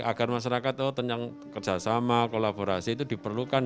agar masyarakat tuh kerjasama kolaborasi itu diperlukan